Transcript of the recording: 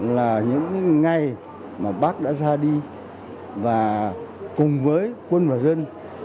là những ngày mà bác đã ra đi và cùng với quân và dân